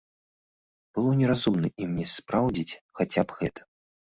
Было неразумна ім не спраўдзіць, хаця б гэта.